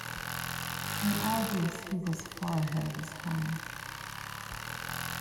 In all this he was far ahead of his time.